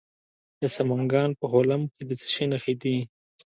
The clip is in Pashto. د سمنګان په خلم کې د څه شي نښې دي؟